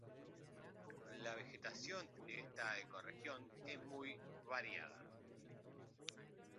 La vegetación de esta ecorregión es muy variada.